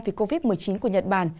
vì covid một mươi chín của nhật bản